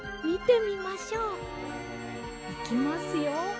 いきますよ。